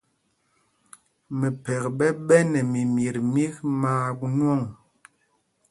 Mɛphɛk ɓɛ ɓɛ́ nɛ mimyet mîk maa nwɔ̂ŋ.